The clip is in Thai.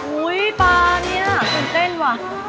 อุ๊ยปลาเนี่ยเต้นเต้นหวะ